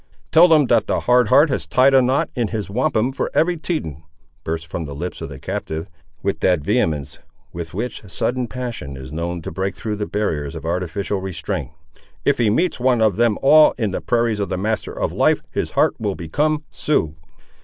"Tell them that Hard Heart has tied a knot in his wampum for every Teton," burst from the lips of the captive, with that vehemence with which sudden passion is known to break through the barriers of artificial restraint "if he meets one of them all, in the prairies of the Master of Life, his heart will become Sioux!"